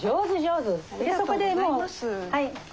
そこでもうはい。